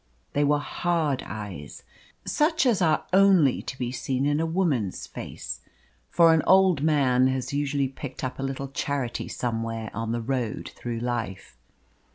They were hard eyes, such as are only to be seen in a woman's face; for an old man has usually picked up a little charity somewhere on the road through life.